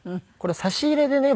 差し入れでね僕。